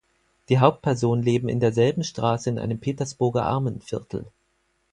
Die Hauptpersonen leben in derselben Straße in einem Petersburger Armenviertel.